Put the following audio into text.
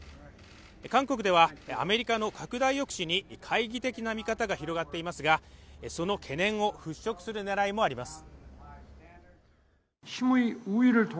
韓国ではアメリカの拡大抑止に懐疑的な見方が広がっていますがその懸念を払拭する狙いもあります。